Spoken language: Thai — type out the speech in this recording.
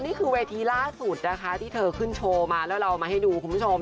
นี่คือเวทีล่าสุดนะคะที่เธอขึ้นโชว์มาแล้วเรามาให้ดูคุณผู้ชม